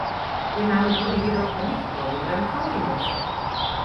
Der Name wurde jedoch von Nicht-Norwegern kaum genutzt.